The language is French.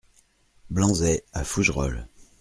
Blanzey à Fougerolles